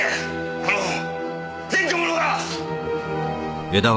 この前科者が！